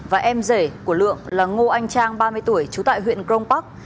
và em rể của lượng là ngô anh trang ba mươi tuổi trú tại huyện crong park